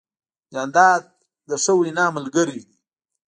جانداد د ښه وینا ملګری دی.